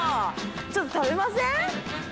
ちょっと食べません？